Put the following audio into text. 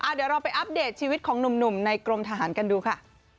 เดี๋ยวเราไปอัปเดตชีวิตของหนุ่มในกรมทหารกันดูค่ะ